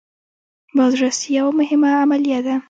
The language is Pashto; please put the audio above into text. بازرسي یوه مهمه عملیه ده.